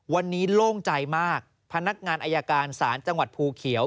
วันนี้โล่งใจมากพนักงานอายการศาลจังหวัดภูเขียว